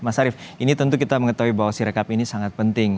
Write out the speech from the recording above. mas arief ini tentu kita mengetahui bahwa sirekap ini sangat penting